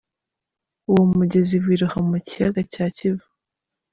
Uwo mugezi wiroha mu kiyaga cya Kivu.